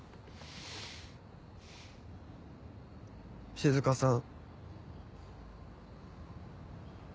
静さん。